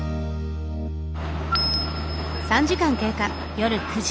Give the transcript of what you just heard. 夜９時。